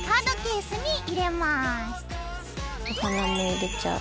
お花も入れちゃう。